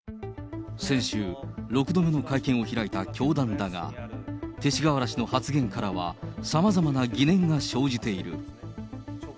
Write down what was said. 先週、６度目の会見を開いた教団だが、勅使河原氏の発言からは、さまざまな疑念が生じている。